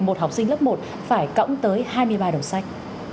một học sinh lớp một phải cõng tới hai mươi ba đầu sách